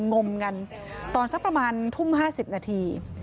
งมกันตอนสักประมาณทุ่ม๕๐นาที